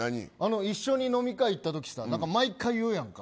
一緒に飲み会行った時毎回言うやん。